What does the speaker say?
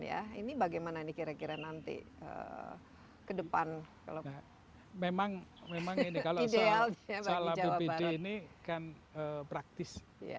ya ini bagaimana ini kira kira nanti kedepan memang memang ini kalau ideal ini kan praktis